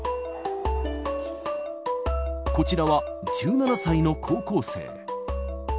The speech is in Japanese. こちらは１７歳の高校生。